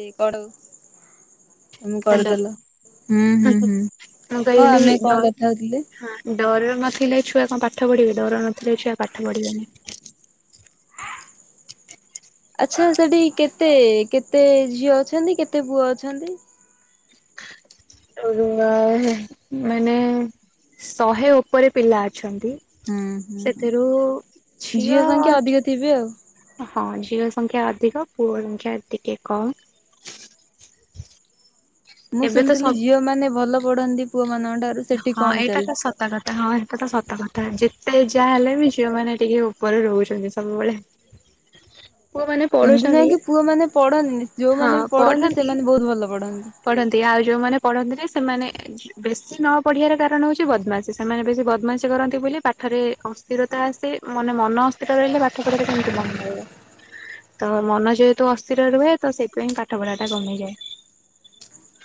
ଏ କଡ଼ ତମେ ହ୍ୟାଲୋ କରଦେଲ ହୁଁ ହୁଁ ହୁଁ ମୁଁ ହଁ କହିଲି ଆମେ ଡ କଁ କଥା ହଉଥୁଲେ? ଡର ନଥିଲେ ଛୁଆ କଁ ପାଠ ପଢ଼ିବେ ଡର ନଥିଲେ ଛୁଆ ପାଠ ପଢି଼ବେନେଇ। ଆଚ୍ଛା ସେଠି କେତେ କେତେ ଝିଅ ଅଛନ୍ତି କେତେ ପୁଅ ଅଛନ୍ତି? ଓହୋ ଆ ନାଇଁ ମାନେ ଶହେ ଓପରେ ପିଲା ଅଛନ୍ତି। ହୁଁ ହୁଁ ସେଥିରୁ ଝିଅ ସଂଖ୍ୟା ଅଧିକ ଥିବେ ଆଉ। ହଁ ଝିଅ ସଂଖ୍ୟା ଅଧିକ ପୁଅ ସଂଖ୍ୟା ଟିକେ କମ୍। ମୁଁ ଏବେ ତ ସ ଶୁଣିଥିଲି ଝିଅମାନେ ଭଲ ପଢ଼ନ୍ତି ପୁଅମାନଙ୍କ ଠାରୁ ସେଠି ହଁ କଣ ଏଇଟା ଚାଲଚି? ତ କତା ହଁ ହେଟା ତ ସତ କଥା ଯେତେ ଯାହା ହେଲେ ବି ଝିଅମାନେ ଟିକେ ଓପରେ ରହୁଚନ୍ତି ସବୁବେଳେ। [unintelligible] ସେମତି ନାଇଁ ପଢୁଛନ୍ତି କି ପୁଅମାନେ ପଢ଼ନ୍ତିନି ଯୋଉମାନେ ବି ପଢ଼ନ୍ତି ସେମାନେ ବୋହୁତ ଭଲ ପଢ଼ନ୍ତି। ପଢ଼ନ୍ତି ଆଉ ଯୋଉମାନେ ପଢ଼ନ୍ତିନି ସେମାନେ ଝି ବେଶ୍ ଶୀ ନ ପଢି଼ବାର କାରଣ ହଉଚି ବଦମାସୀ ସେମାନେ ବେଶୀ ବଦମାସୀ କରନ୍ତି ବୋଲି ପାଠରେ କସ୍ ସ୍ଥିରତା ଆସେ ମନେ ମନ ଅସ୍ଥିର ରହିଲେ ପାଠ ପଢ଼ାରେ କେମତି ମନ ରହିବ? ତ ମନ ଯେହେତୁ ଅସ୍ଥିର ରୁହେ ତ ସେଇଥିପାଇଁ ପାଠ ପଢ଼ାଟା କମିଯାଏ।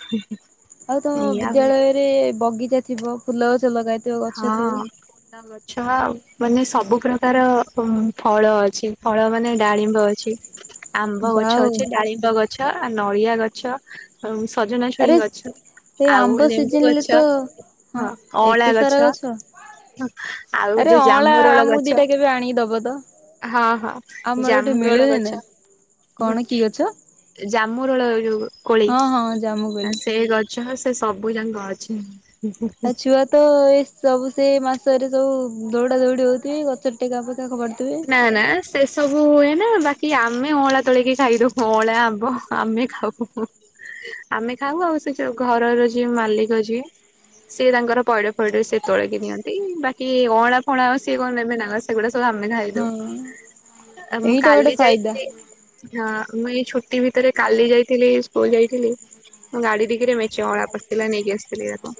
ହୁଁ ହୁଁ। ଆଉ ତମ ବିଦ୍ୟାଳୟରେ ବଗିଚା ଥିବ ଫୁଲ ଗଛ ଲଗା ହଁ ତା ଗଛ ଆଉ। ମାନେ ସବୁ ପ୍ରକାର ଉଁ ଫଳ ଅଛି ଫଳ ମାନେ ଡାଳିମ୍ବ ଅଛି। ଆମ୍ବ ଯାହା ଗଛ ହଉ ଅଛି ଡାଳିମ୍ବ ଗଛ ଆ ନଡ଼ିଆ ଗଛ ଆଉ ସଜନା ଛୁଇଁ ଆରେ ଗଛ ସେ ଆଉ ଆମ୍ବ ଲେମ୍ବୁ ସିଜିନରେ ଗଛ ହଁ ଅଁଳା ଗ ରେ ଗଛ ଆରେ ଯୋଉ ଅଁଳା ଜାମୁରୋଳ ଆମୁକୁ ଗଛ ଦିଟା କେବେ ଆଣିିକି ଦବ ତ। ହଁ ହଁ ଆମର ଏଠି ଜାମୁରୋଳ ମିଳୁନି ନା। ଗଛ। କଣ କି ଗଛ? ଏ ଜାମୁ ରୋଳ ଯୋଉ କୋଳି ହଁ ହଁ ଆ ଜାମୁକୋଳି। ସେଇ ଗ ଛ ହ ସେ ସବୁ ଯାଙ୍କ ଅଛି। ଆ ଛୁଆ ତ ଏ ସବୁ ସେ ମାସରେ ସବୁ ଦୌଡା ଦୌଡି ହଉଥିବେ ଗଛରେ ଟେକା ଫେକା ଫୋପାଡୁଥିବେ। ନା ନା ସେ ସବୁ ହୁଏ ନା ବାକି ଆମେ ଅଁଳା ତୋଳକି ଖାଇଦଉ ଅଁଳା ଆମ୍ବ ଆମେ ଖାଉ। ଆମେ ଖାଉ ଆଉ ସେ ଯୋଉ ଘରର ଯିଏ ମାଲିକ ଯିଏ ସିଏ ତାଙ୍କର ପଇଡ ଫଇଡ ସେ ତୋଳିକି ନିଅନ୍ତି ବାକି ଅଁଳା ଫଳାଁ ସିଏ କଣ ନେବେନା କଣ ସେଗୁଡା ସବୁ ଆମେ ନ ହଁ ଆ ମୁଁ ଏଇଟା ଗୋଟେ କାଲି ଫାଇଦା ଯାଇଥିଲି। ହଁ ମୁଁ ଏଇ ଛୁଟି ଭିତରେ କାଲି ଯାଇଥିଲି ସ୍କୁଲ ଯାଇଥିଲି। ମୋ ଗାଡି ଟିଗିରେ ମେଞ୍ଚେ ଅଁଳା ପସିଥିଲା ନେଇକି ଆସିଥିଲି ଏରାକ।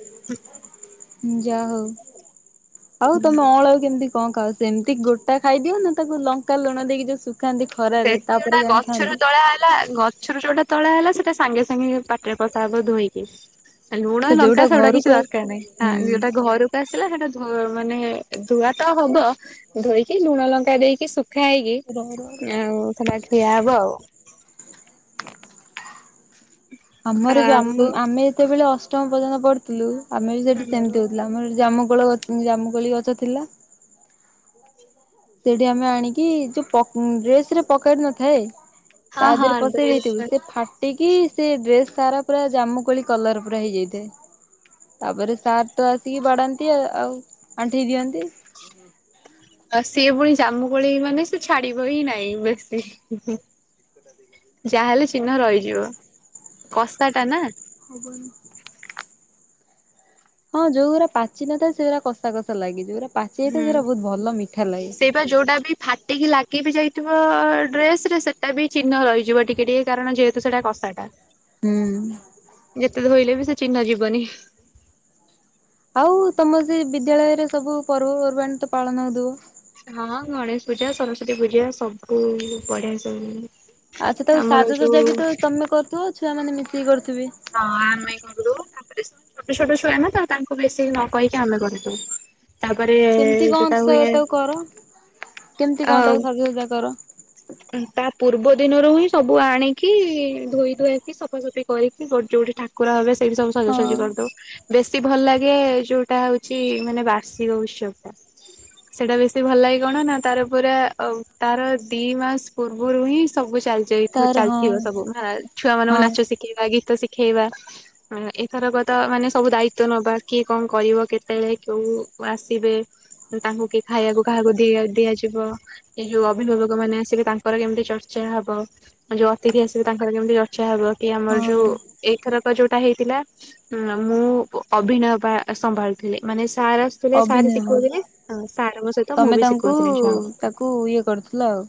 ଯା ହଉ ଆଉ ତମ ଅଁଳା କୁ କେମତି କଣ ଖାଅ ସେମିତି ଗୋଟା ଖାଇଦିଅ ନା ତାକୁ ଲଙ୍କା ଲୁଣ ଦେଇକି ଯୋଉ ଶୁଖାନ୍ତି ଖରାରେ ସେଟି ତାପରେ ଯୋଟା ଆଣି ଗଛରୁ ଖାଆନ୍ତି ତଳା ହେଲା ଗ ଛୁ ଯୋଟା ତୋଳା ହେଲା ସେଟା ସାଙ୍ଗେ ସାଙ୍ଗେ ପାଟିରେ ପଷା ହବ ଧୋଇକି। ଲୁଣ ସେ ଯୋଉଟା ଲଙ୍କା ସେଗୁଡା ଘରକୁ କିଛି ଆସେ ଦରକାର ହୁଁ। ନାହିଁ ଯଉଟା ଘରୁ ଆସିଲା ସେଇଟା ଧ ମାନେ ଧୁଆ ତ ହବ ଧୋଇକି ଲୁଣ ଲଙ୍କା ଦେଇକି ଶୁଖା ହେଇକି ରହ ରହ। ଆଉ ସେଟା ଖିଆ ହବ ଆଉ। ଆମର ବି ଆମ୍ବ ଆମେ ଯେତେବେଳେ ଅଷ୍ଟମ ପର୍ଯ୍ୟନ୍ତ ପଢୁଥିଲୁ ଆମେ ବି ସେଟି ସେମତି ହଉ ଥିଲା ଆମର ଜାମୁକୋଳ ଜାମୁକୋଳି ଗଛ ଥିଲା। ସେଟି ଆମେ ଆଣିକି ଯୋଉ ପକ ଡ୍ରେସ ରେ ପକେଟ୍ ନଥାଏ ତା ହଁ ହଁ ଦେହରେ ପସେଇ ଦେଇଥିବୁ ଡ୍ରେସ ସେ ଫା ଟିକି ସେ ଡ୍ରେସ ସାରା ପୁରା ଜାମୁ କୋଳି କଲର ପୁରା ହେଇଯାଇଥାଏ। ତାପରେ ସାର୍ ତ ଆସିକି ବାଡାନ୍ତି ଆଉ ଆଣ୍ଠେଇ ଦିଅନ୍ତି। ହୁଁ ଆ ସିଏ ପୁଣି ଜାମୁ କୋଳି ମାନେ ସେ ଛାଡିବ ହିଁ ନାହିଁ ବେଶୀ। ଯାହାହେଲେ ଚିହ୍ନ ରହିଯିବ କସା ଟା ନା। ହବନି। ହଁ ଯୋଉଗୁରା ପାଚି ନଥାଏ ସେଉରା କଷା କଷା ଲାଗେ ଯଉଗୁଡା ପାଚି ହୁଁ ଯାଇଥାଏ ସେଗୁରା ଭଲ ମିଠା ଲାଗେ। ସେଇପା ଯୋଉଟା ବି ଫାଟିକି ଲାଗି ବି ଯାଇଥିବ ଡ୍ରେସ ରେ ସେଟା ବି ଚିହ୍ନ ରହିଯିବ ଟିକେ ଟିକେ କାରଣ ଯେହେ ତୁ ସେଟା କସାଟା। ହୁଁ। ଯେତେ ଧୋଇଲେ ବି ସେ ଚିହ୍ନ ଯିବନି। ଆଉ ତମର ସେ ବିଦ୍ୟାଳୟରେ ସବୁ ପର୍ବପର୍ବାଣି ତ ପାଳନ ହଉଥିବ। ହଁ ଗଣେଶ ପୂଜା ସରସ୍ଵତୀ ପୂଜା ସବୁ ବଢିଆ ସେ ହୁଏ। ଆଚ୍ଛା ତାକୁ ସାଜସଜା ବି ତମେ କରୁଥିବ ଛୁଆ ମାନେ ମିଶିକି କରୁଥିବେ। ହଁ ଆମେ କରୁ ତାପରେ ଛୋଟ ଛୋଟ ଛୁଆ ନା ତ ତାଙ୍କୁ ବେଶୀ ନ କହିକି ଆମେ କରିଦଉ। ତାପରେ କେମିତି କଣ ଯୋଉଟା ସ ହୁଏ ତାକୁ କର କେମିତି ଆଉ। [unintelligible] କର। ତା ପୂର୍ବ ଦିନରୁ ହିଁ ସବୁ ଆଣିକି ଧୋଇ ଧୁଆକି ସଫାସଫି କରିକି ଯୋଉଠି ଠାକୁର ହେବେ ସେଇଟି ସବୁ ହଁ ସଜାଜଜି କରିଦଉ ବେଶୀ ଭଲ ଲାଗେ ଯୋଉଟା ହଉଚି ମାନେ ବାର୍ଷିକ ଉତ୍ସବ ଟା। ସେଇଟା ବେଶୀ ଭଲ ଲାଗେ କଣ ନା ତାର ପୁରା ତାର ଦି ମାସ ପୂର୍ବୁରୁ ହିଁ ସବୁ ଚାଲି ଯାଇଥିବ ତାର ହଁ ଚାଲିଥିବ ସବୁ ଆଁ ଛୁଆ ମାନଙ୍କୁ ହଁ ନାଚ ଶିଖି ଶଖେଇବା ଗୀତ ଶିଖେଇବା। ଏଥରକତ ମାନେ ସବୁ ଦାୟିତ୍ୱ ନବା କିଏ କଣ କରିବ କେତେବେଳେ କେଉ ଆସିବେ ତାଙ୍କୁ କି ଖାଇବାକୁ କାହାକୁ ଦିଆ ଦିଆଯିବ ଏ ଯୋଉ ଅଭିଭାବକ ମାନେ ଆସିବେ ତାଙ୍କର କେମିତି ଚର୍ଚ୍ଚା ହବ। ଯୋଉ ଅତିଥି ଆସିବେ ତାଙ୍କର କେମିତି ଚର୍ଚା ହବ କି ଆମର ହଁ ଯୋଉ ଏଇଥରକ ଯୋଉଟା ହେଇଥିଲା ହଁ ମୁଁ ଅଭିନୟ ପା ସମ୍ଭାଳୁଥିଲି ମାନେ ସାରେ ଆ ଥିଲେ ଅଭିନୟ ସାର୍ ହଁ ଶିକୋଉଥିଲେ ସାର୍ ଙ୍କ ସହିତ ମୁଁ ବି ଶିକୋଉଥିଲି ଛୁଆଁଙ୍କୁ। କୁ ଇଏ କରୁଥିଲ ଆଉ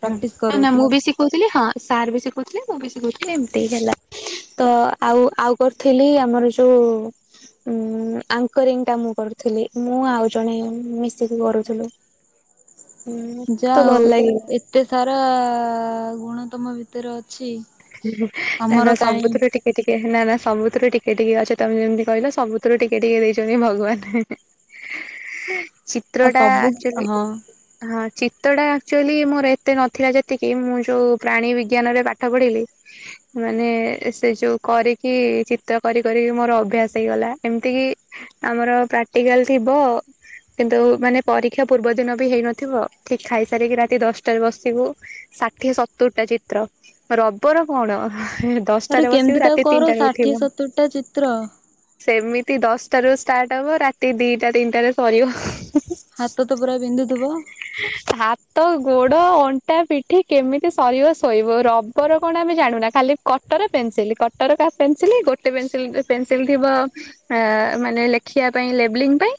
ପ୍ରାକ୍ଟିସ ନା ନା କରଉଥିଲ ମୁଁ ବି ଶିକଉଥିଲି ହଁ ସାର୍ ବି ଶିକଉଥିଲେ ମୁଁ ବି ଶିଖଉଥିଲି ଏମିତି ହେଲା। ତ ଆଉ ଆଉ କରିଥିଲି ଆମର ଯୋଉ ଉ ଆଙ୍କରିଂ ଟା ମୁଁ କରୁଥିଲି ମୁଁ ଆଉ ଜଣେ ମିଶିକି କରୁଥିଲୁ। ହୁଁ ଯାହା ତ ଭଲ ହଉ ଲାଗିଲା। ଏତେ ସାରା ଗୁଣ ତମ ଭିତରେ ଅଛି। ହୁହୁ ନା ଆମର ନା କାହିଁ ସବୁଥିରେ ଟି ଟିକେ ଟିକେ ନା ନା ସବୁଥରୁ ଟିକେ ଟିକେ ଅଛ ତମେ ଯେମିତି କହିଲ ସବୁଥରୁ ଟିକେ ଟିକେ ଦେଇଛନ୍ତି ଭଗବାନ ଚିତ୍ର ଆଉ ଟା ସବୁ ଆକ୍ଚୁଆଲି ହଁ ହଁ ଚିତ୍ର ଆକ୍ଚୁଆଲି ମୋର ଏତେ ନଥିଲା ଯେତିକି ମୁଁ ଯୋଉ ପ୍ରାଣୀ ବିଜ୍ଞାନ ରେ ପାଠ ପଢିଲି ମାନେ ସେ ଯୋଉ କରିକି ଚିତ୍ର କରି କରି ମୋର ଅଭ୍ୟାସ ହେଇଗଲା ଏମିତି କି ଆମର ପ୍ରାକ୍ଟିକାଲ ଥିବ କିନ୍ତୁ ମାନେ ପରୀକ୍ଷା ପୂର୍ବ ଦିନ ବି ହେଇନଥିବ ଠିକ ଖାଇସାରିକି ରାତି ଦଶଟାରେ ବସିବୁ ଷାଠିଏ ସତୁୁରିଟା ଚିତ୍ର। ରବର କଣ? ଆରେ ଦଶଟାରେ ବସିବି କେମିତି ତାକୁ ରାତି କର ତିନିଟାରେ ଷାଠିଏ ଉଠିବୁ। ସତୁରିଟା ଚିତ୍ର ସେମିତି ଦଶଟା ରୁ ଷ୍ଟାର୍ଟ ହବ ରାତି ଦିଟା ତିନିଟାରେ ସରିବ। ହାତ ତ ପୁରା ବିନ୍ଧୁଥିବ? ହାତ, ଗୋଡ ଅଣ୍ଟା, ପିଠି କେମିତି ସରିବ ଶୋଇବ ର ପର କଣ ଆମେ ଜାଣୁନା ଖାଲି କଟର ପେନସିଲ କଟର ପେନସିଲ ଗୋଟେ ପେନ୍ସିଲ୍ ପେନସିଲ ଥିବ ଅଁ ମାନେ ଲେଖିବା ପାଇଁ ଲେବଲିଙ୍ଗ ପାଇଁ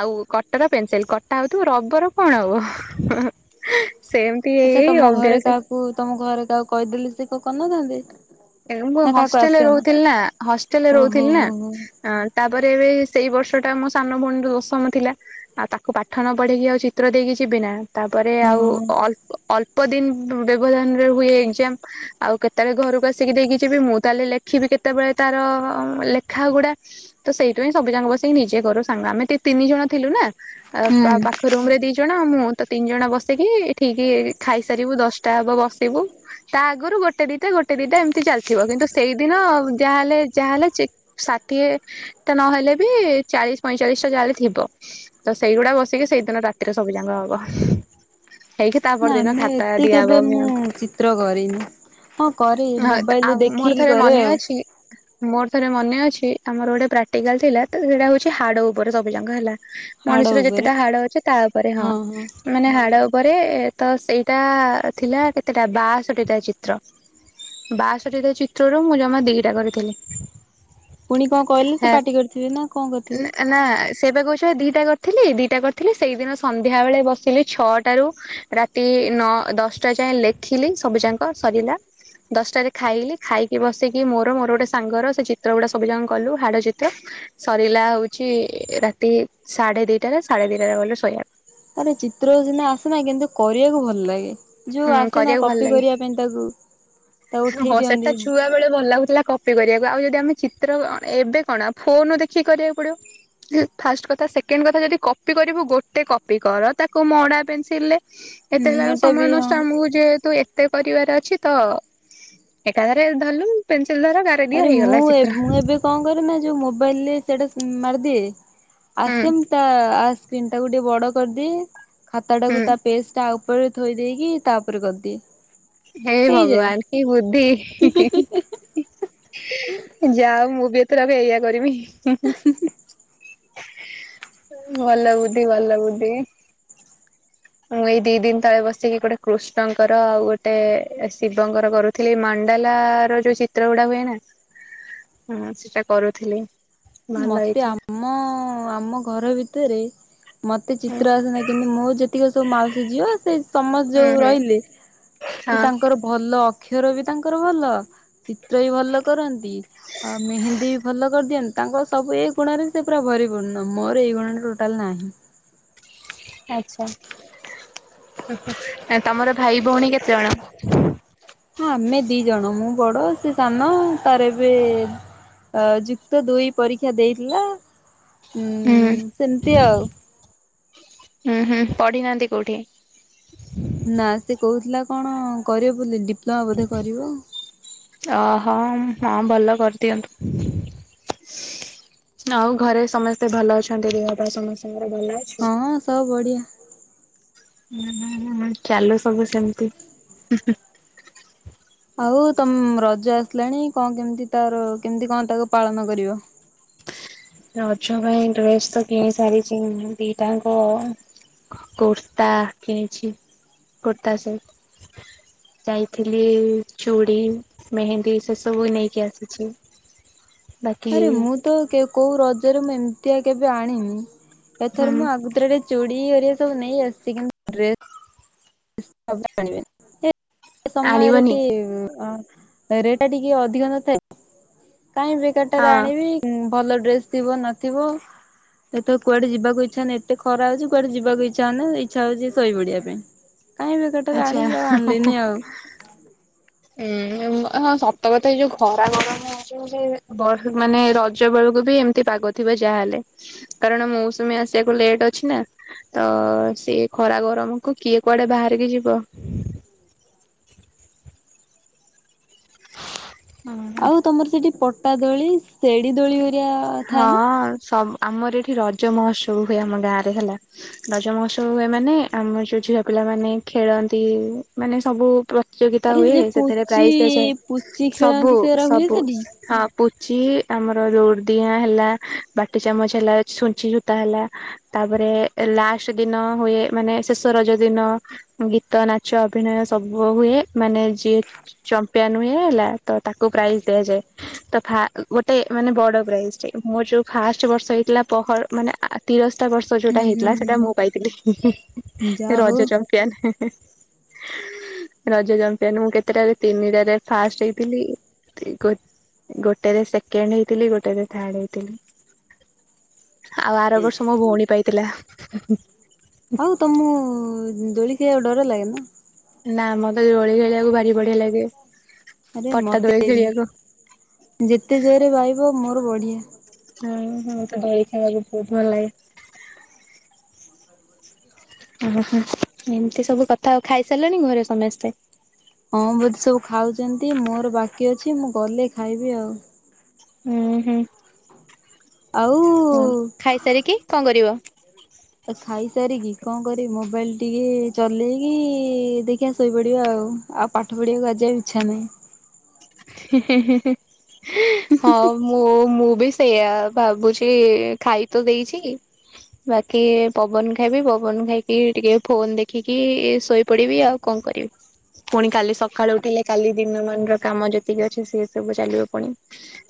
ଆଉ କଟର ପେନସିଲ କଟା ହଉଥିବ। ରବର କଣ ହବ ସେମିତି ହେଇ ହେଇ ଅଭ୍ୟାସ କୁ ତମ ଘରେ କାହାକୁ କହିଦେଲିି ସେ କ କରିନଥାନ୍ତେ। ଏ ମୁଁ ନା କାହାକୁ ହଷ୍ଟେଲରେ ଆସେନା ରହୁଥିଲି ନା ହଷ୍ଟେଲରେ ଓହୋ ରହୁଥିଲି ନା। ହୋ ହୋ ଆଁ ତାପରେ ଏବେ ସେଇ ବର୍ଷଟା ମୋ ସାନ ଭଉଣୀର ଦଶମ ଥିଲା। ଆଉ ତାକୁ ପାଠ ନ ପଢିକି ଆଉ ଚିତ୍ର ଦେଇକି ଯିବି ନା ତାପରେ ହଁ ଆଉ ହଁ ଅଳ୍ପ ଅଳ୍ପ ଦିନ ବ୍ୟବଧାନରେ ହୁଏ ଏକଜାମ। ଆଉ କେତେବେଳେ ଘରକୁ ଆସ ଆସିକି ଦେଇକି ଯିବି ମୁଁ ତାହେଲେ ଲେଖିବି କେତେବେଳେ ତାର ଲେଖା ଗୁଡା? ତ ସେଇଥିପାଇଁ ସବୁଜାକ ବସିକି ନିଜେ କରୁ ସାଙ୍ଗ। ଆମେ ତି ତିନି ଜଣ ଥିଲୁ ନା ହୁଁ। ପାଖ ରୁମରେ ଦି ଦୁ ଜଣ ମୁଁ ତ ତିନି ଜଣ ବସିକି ଠିକ ଖାଇସାରିବୁ ଦଶଟା ହବ ବସିବୁ। ତା ଆଗରୁ ଗୋଟେ ଦିଟା ଗୋଟେ ଦିଟା ଏମ ତି ଚାଲିଥିବ। କିନ୍ତୁ ସେଇଦିନ ଯାହାହେଲେ ଯାହାହେଲେ ଚି ଷାଠିଏ ତ ନହେଲେ ବି ଚାଳିଶି ପଇଁଚାଳିଶି ଟା ଯାହାହେଲେଥିବ। ତ ସେଇଗୁଡା ବସିକି ସେଇଦିନ ରାତିରେ ସବୁ ଯାଙ୍କ ହବ। ହେଇକି ନା ତାପରଦିନ ଆମେ ଖାତା ଏତେ କେବେ ଦିଆହବ ମ ମୁଁ ଚିତ୍ର କରିନି, ହଁ କରେ ହଁ ମୋବାଇଲିରେ ଆଉ ମୋର ଦେଖିକି ଥରେ କରେ ମନେ ଆଉ। ଅଛି ମୋର ଥରେ ମନେ ଅଛି। ଆମର ଗୋଟେ ପ୍ରାକ୍ଟିକାଲ ଥିଲା ତ ସେଇଟା ହଉଛି ହାଡ ଉପରେ ସବୁ ଯାକ ହେଲା। ହାଡ ମଣିଷର ଉପରେ। ଯେତେଟା ହାଡ ଅଛି ତା ଉପରେ ହଁ? ମାନେ ହାଡ ଉପରେ ତ ସେଇଟା ଥିଲା କେତେଟା ବାଷଠି ଟା ଚିତ୍ର। ବାଷଠି ଟା ଚିତ୍ରରୁ ମୁଁ ଜମା ଦିଟା କରିଥିଲି। ପୁଣି କଣ କହିଲେ, ହେ ସେ ପାଟି କରିଥିବେ ନା କଣ କରିଥିବେ? ନା ସେ ବା କହୁଛ ଦିଟା କରିଥିଲି ଦିଟା କରିଥିଲି ସେଇଦିନ ସନ୍ଧ୍ୟା ବେଳେ ବସିଲି ଛଅଟାରୁ ରା ତି ନ ଦଶଟା ଯାଏଁ ଲେଖିଲି ସବୁଯାକ ସରିଲା। ଦଶଟାରେ ଖାଇଲି ଖାଇକି ବସିକି ମୋର ମୋର ଗୋଟେ ସାଙ୍ଗର ସେ ଚିତ୍ର ଗୁଡା ସବୁ ଜାଙ୍କ କଲୁ ହାଡ଼ ଚିତ୍ର। ସରିଲା ହଉଛି ରାତି ସାଢେ ଦିଟାରେ ସାଢେ ଦିଟା ରେ ଗଲୁ ଶୋଇବାକୁ। ଆରେ ଚିତ୍ର ସିନା ଆସେନା କିନ୍ତୁ କରିବାକୁ ଭଲ ଲାଗେ ଯୋଉ ହୁଁ ଆସେନା କରିବାକୁ ଭଲ କପି ଲାଗେ କରିବା ପାଇଁ ତାକୁ ତାକୁ ଉଠେଇ ହଁ ଦିଅନ୍ତି। ସେଟା ଛୁଆ ହୁଁ ବେଳେ ଭଲ ଲାଗୁଥିଲା କପି କରିବାକୁ ଆଉ ଯଦି ଆମେ ଚିତ୍ର ଏବେ କଣ ଫୋନ ଦେଖିକି କରିବାକୁ ପଡିବ। ଫାଷ୍ଟ କଥା ସେକେଣ୍ଡ କଥା ଯଦି କପି କରିବୁ ଗୋଟେ କପି କର ତାକୁ ମଡା ପେନସିଲ ରେ ଏତେ ହେଲା ବେଳୁ ଏଟା ସମୟ ବି ହଁ ନଷ୍ଟ ଆମକୁ ଯେହେତୁ ଏତେ କରିବାର ଅଛି ତ ଏକାଧରେ ଧଲୁ ପେନସିଲ ଧର ଗା ଆରେ ମୁଁ ମୁଁ ଏବେ କଣ କର ନା ଯୋଉ ମୋବାଇଲରେ ସେଇଟା ମାରିଦିଏ ଆସ ହୁଁ ସ୍ [unintelligible] ଟାକୁ ଟିକେ ବଡ କରିଦିଏ ଖାତା ଟାକୁ ହୁଁ ତା ପେଷ୍ଟ ତା ଉପରେ ଥୋଇ ଦେଇେଇକି ତା ଉପରେ କରିଦିଏ। ହେଇ ହେଇଯାଏ। ଭଗବାନ କି ବୁଦ୍ଧି। ଯାଅ ମୁଁ ବି ଏଥର ବି ଏଇଆ କରମି। ଭଲ ବୁଦ୍ଧି ଭଲ ବୁଦ୍ଧି ମୁଁ ଏଇ ଦି ଦିନ ତଳେ ବସିକି ଗୋଟେ କୃଷ୍ଣଙ୍କର ଆଉ ଗୋଟେ ଶିବଙ୍କର କରୁ ଥିଲ ମଣ୍ଡାଲା ର ଯୋଉ ଚିତ୍ର ଗୁଡା ହୁଏ ନା ହ ସେଟା କରୁଥିଲି। ଭଲ ମତେ ହେଇଥିଲା ଆମ ଆମ ଘର ଭିତରେ ମତେ ହୁଁ ଚିତ୍ର ଆସ ନାହିଁ କିନ୍ତୁ ମୋ ଯେତିକି ସବୁ ମାଉସୀ ଝିବ ସେ ସମସ୍ତେ ହୁଁ ଯୋଉ ହୁଁ ରହିଲେ ସେ ହଁ। ତାଙ୍କର ଭଲ ଅକ୍ଷର ବି ତାଙ୍କର ଭଲ। ଚିତ୍ର ବି ଭଲ କରନ୍ତି। ଆଉ ମେହେନ୍ଦୀ ବି ଭଲ କରିଦିଅନ୍ତି। ତାଙ୍କର ସବୁ ଏଇ ଗୁଣରେ ସେ ପୁରା ଭରିପୁର୍ଣ୍ଣ ମୋର ଏଇ ଗୁଣରେ ଟୋଟାଲ ନାହିଁ। ଆଛା ତମର ଭାଇ ଭଉଣୀ କେତେଜଣ? ହଁ ଆମେ ଦି ଜଣ ମୁଁ ବଡ ସେ ସାନ ତାର ଏବେ ଅ ଯୁକ୍ତ ଦୁଇ ପରୀକ୍ଷା ଦେଇଥିଲା ଉଁ ହୁଁ ସେମିତି ଆଉ। ହୁଁ ହୁଁ ପଢି ନାହାନ୍ତି କୋଉଠି? ନା ସେ କହୁଥିଲା କଣ କରିବ ବୋଲି ଡିପ୍ଲୋମା ବୋଧେ କରିବ। ଅହୋ ହଁ ଭଲ କରିଦିଅନ୍ତୁବି। ଆଉ ଘରେ ସମସ୍ତେ ଭଲ ଅଛନ୍ତି ଦେହ ବା ସମସ୍ତଙ୍କର ଭଲ ଅ ହଁ ସବୁ ବଢିଆ। [inaudible] ଚାଲୁ ସବୁ ସେମିତି। ଆଉ ତମ ରଜ ଆସିଲାଣି କଣ କେମତି ତାର କେମିତି କଣ ତାକୁ ପାଳନ କରିବ? ରଜ ପାଇଁ ଡ୍ରେସ ତ କିଣି ସାରିଛି ଦିଟାଙ୍କ କୁର୍ତ୍ତା କିଣିଛି କୁର୍ତା ସବୁ। ଯାଇଥିଲି ଚୁଡି ମେହେନ୍ଦୀ ସେ ସବୁ ନେଇକି ଆସିଛି। [inaudible] ଆରେ ମୁଁ ତ କୋଉ ରଜରେ ମୁଁ ଏମିତିଆ କେବେ ଆଣିନି ଏଥର ହୁଁ ମୁଁ ଆଗୁତୁରାକି ଚୁଡ଼ି ଓରିଆ ସବୁ ନେଇ ଆସିଛି। କିନ୍ତୁ ଆଣିବେ [unintelligible] ସମୟରେ ଆଣିବନି? ଟିକ ରେଟ ଟା ଟିକେ ଅଧିକ ନଥାଏ। କାହିଁ ବେକାର ହଁ। ଟାରେ ଆଣିବି ହଁ ଭଲ ଡ୍ରେସ ଥିବ ନଥିବ? ଯେହେତୁ କୁଆଡେ ଯିବାକୁ ଇଚ୍ଛା ନାହିଁ ଏତେ ଖରା ହଉଛିୁ କୁଆଡେ ଯିବାକୁ ଇଚ୍ଛା ହଉନି ଇଛା ହଉଛି ଶୋଇ ପଡିବା ପାଇଁ। କାଇହିଁ ବେକର୍ତରେ ଆଚ୍ଛା ଆଣିକି ଆଉ ଆଣିଲିନି ଆଉ। ହୁଁ ହଁ ସତକଥା ଏଇ ଯୋଉ ଖରା ଗରମ ହଉଚି ମାନେ ରଜ ବେଳକୁ ବି ଏମିତି ପାଗ ଥିବ ଯାହା ହେଲେ କାରଣ ମୌସୁମୀ ଆସିବାକୁ ଲେଟ୍ ଅଛି ନା। ତ ସିଏ ଖରା ଗରମକୁ କିଏ କୁଆଡେ ବାହାରିକି ଯିବ। [inaudible] ଆଉ ତମର ସେଠି ପଟା ଦୋଳି ସେଢି ଦୋଳି ହେରିକା ହଁ ଥାଏ ନା? ସବ ଆମର ଏଠି ରଜ ମହୋତ୍ସବ ହୁଏ ଆମ ଗାଁ ରେ ହେଲା। ରଜମହସ ହୁଏ ମାନେ ଆମର ଯୋଉ ଝିଅ ପିଲାମାନୋନେ ଖେଳନ୍ତି। ମାନେ ସବୁ ପ୍ରତିଯୋଗିତା ଆରେ ହୁଏ ସେ ସେଥିରେ ପୁଚି ପ୍ରାଇଜ ଦଆଯଏ। ପୁଚି ସବୁ ଖେଳନ୍ତି ସେଗୁରା ହୁଏ ସବୁ ସେଠି? ହଁ ପୁଚି ଆମର ଯୋଉ ଦିଆଁ ହେଲା ବାଟି ଚାମଚ ହେଲା ଛୁଞ୍ଚି ସୁତା ହେଲା ତାପରେ ଲାଷ୍ଟ ଦିନ ହୁଏ ମାନେ ଶେଷ ରଜ ଦିନ ଗୀତ ନାଚ ଅଭିନୟ ସବୁ ହୁଏ। ମାନେ ଯିଏ ଚମ୍ପିୟନ ହୁଏ ହେଲା ତ ତାକୁ ପ୍ରାଇଜ ଦିଆଯାଏ ତ ଗୋଟେ ମାନେ ବଡ ପୁରା ଏସଟି ମୋର ଯୋଉ ଫାଷ୍ଟ ବର୍ଷ ହେଇଥିଲା ପହର ମାନେ ଆ ତିରସ୍ତା ବର୍ଷ ଯୋଉଟା ହୁଁ ହୁଁ ହେଇଥିଲା ସେଇଟା ମୁଁ ହୁଁ ପାଇଥିଲି ଯା ହଉ ରଜ ଚମ୍ପିୟାନ। ରଜ ଚମ୍ପିୟାନ ମୁଁ କେତେଟାରେ ତିନିଟାରେ ଫାଷ୍ଟ ହେଇଥିଲି। ଗୋ ଗୋଟେରେ ସେକେଣ୍ଡ ହେଇଥିଲି ଗୋ ଗୋଟେରେ ଥାଡ ହେଇଥିଲି ଆଉ ଆରବର୍ଷ ମୋ ଭଉଣୀ ପାଇଥିଲା। ଆଉ ତମକୁ ଉ ଦୋଳି ଖିଆବାକୁ ଡର ଲାଗେ ନା? ନା ମତେ ଦୋଳି ଖେଳିବାକୁ ଭାରି ବଢିଆ ଲାଗେ ଆରେ ପଟା ଦୋଳି ମତେ ବି ଖେଳିବାକୁ। ଯେତେ ଜୋରେ ବାହିବ ମୋର ବଢିଆ। ମତେ ଦୋଳି ଖେଳିବାକୁ ବୋହୁତ ଭଲଲାଗେ। ଓହୋ ଏମତି ସବୁ କଥା ଆଉ ଖାଇସାରଲେଣି ଘରେ ସମସ୍ତେ? ହଁ ବୋଧେ ସବୁ ଖାଉଚନ୍ତି ମୋର ବାକି ଅଛି ମୁଁ ଗଲେ ଖାଇବି ଆଉ। ଉଁହୁଁ ଆଉ ହଁ ଖାଇସାରିକି କଣ କରିବ? ଏ ଖାଇସାରିକି କଣ କରିମ ମୋବାଇଲ ଟିକେ ଚଲେଇକି ଦେଖିଆ ଶୋଇପଡିବା ଆଉ। ଆଉ ପାଠ ପଢିବାକୁ ଆଜି ଆଉ ଇଚ୍ଛା ନାହିଁ। ହି ହି ହି ହି ହଁ ମୁଁ ମୁଁ ବି ସେୟା ଭାବୁଚି ଖାଇ ତ ଦେଇଛି ବାକି ପବନ ଖାଇବି ପବନ ଖାଇକି ଟିକେ ଫୋନ ଦେଖିକି ଇଏ ଶୋଇପଡିବି ଆଉ। କଣ କରିବି ପୁଣି କାଲି ସକାଳୁ ଉଠିଲେ କାଲି ଦିନ ମାନର କାମ ଯେତିକି ଅଛି ସିଏ ସବୁ ଚାଲିବ ପୁଣି।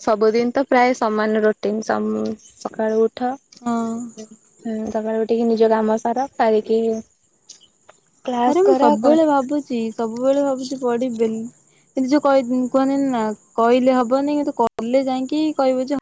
ସବୁଦିନ ତ ପ୍ରାୟେ ସମାନ ରୋଟିନ୍ ସମ୍ ସକାଳୁ ଉ ଉଠ ହଁ ଉଁ ସକାଳୁ ଉଠିକି ନିଜ କାମ ସାର ସାରିକି ଆରେ କ୍ଲାସ ମୁଁ କର ସବୁବେଳେ ଭାବୁଚି ସବୁବେଳେ ଭାବୁଚି ପଢିବି ବୋଲି। କିନ୍ତୁ ଯୋଉ କହି-ଉଁ-କୁହନ୍ତି ନା କହିଲେ ହବନି କିନ୍ତୁ କଲେ ଯାଇକି କହିବୁ ଯେ ହ